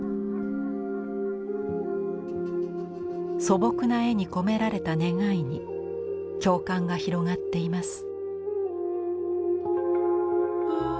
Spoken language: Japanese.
素朴な絵に込められた願いに共感が広がっています。